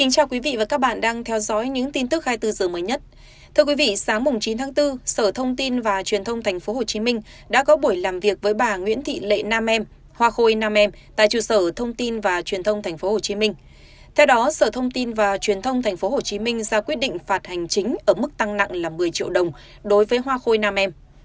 các bạn hãy đăng ký kênh để ủng hộ kênh của chúng mình nhé